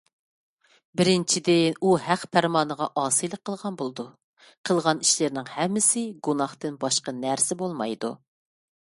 بىرىنچىدىن، ئۇ ھەق پەرمانىغا ئاسىيلىق قىلغان بولىدۇ. قىلغان ئىشلىرىنىڭ ھەممىسى گۇناھتىن باشقا نەرسە بولمايدۇ.